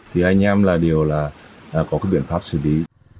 thì anh em là đều là có cái biện pháp xử lý